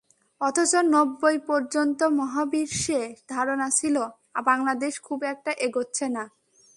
অথচ নব্বই পর্যন্ত বহির্বিশ্বে ধারণা ছিল, বাংলাদেশ খুব একটা এগোচ্ছে না।